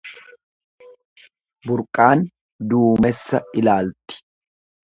Burqaan duumessa ilaalti.